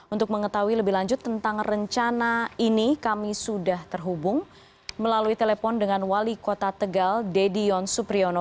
untuk mengetahui lebih lanjut tentang rencana ini kami sudah terhubung melalui telepon dengan wali kota tegal dedion supriyono